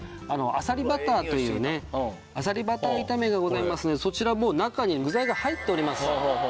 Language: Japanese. あさりバターというねあさりバター炒めがございますのでそちらもう中に具材が入っております。